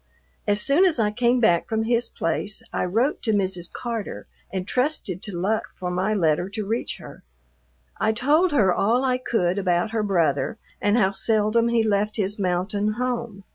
As soon as I came back from his place I wrote to Mrs. Carter and trusted to luck for my letter to reach her. I told her all I could about her brother and how seldom he left his mountain home.